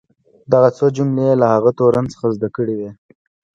دغه څو جملې یې له هغه تورن څخه زده کړې وې.